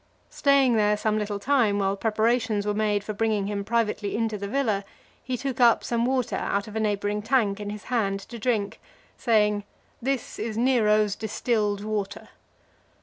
Staying there some little time, while preparations were made for bringing him privately into the villa, he took up some water out of a neighbouring tank in his hand, to drink, saying, "This is Nero's distilled water."